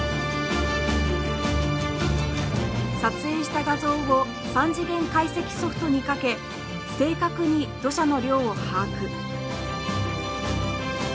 撮影した画像を３次元解析ソフトにかけ正確に土砂の量を把握。